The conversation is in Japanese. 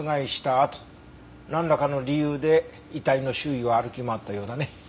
あとなんらかの理由で遺体の周囲を歩き回ったようだね。